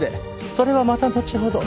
それはまたのちほど。